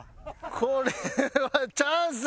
これはチャンス！